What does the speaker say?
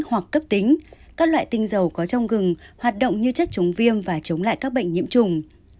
hoặc cấp tính các loại tinh dầu có trong gừng hoạt động như chất chống viêm và chống lại các bệnh nhiễm trùng